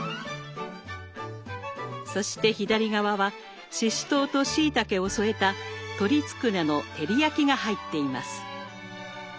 そして左側はししとうとしいたけを添えた鶏つくねの照り焼きが入っています。